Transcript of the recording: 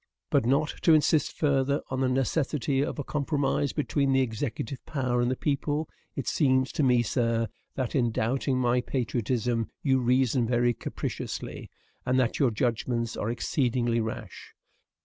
But, not to insist further on the necessity of a compromise between the executive power and the people, it seems to me, sir, that, in doubting my patriotism, you reason very capriciously, and that your judgments are exceedingly rash.